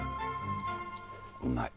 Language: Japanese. うまい。